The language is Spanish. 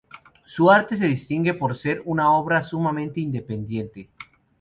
Su arte se distingue por ser una obra sumamente independiente.